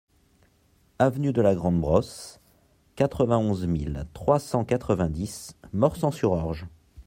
Avenue de la Grande Brosse, quatre-vingt-onze mille trois cent quatre-vingt-dix Morsang-sur-Orge